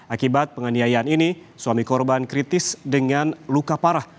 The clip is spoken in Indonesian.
akibat penganiayaan ini suami korban kritis dengan luka parah